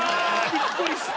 びっくりした。